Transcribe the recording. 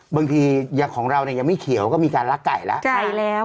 บางทีของเรายังไม่เขียวก็มีการลักไก่แล้ว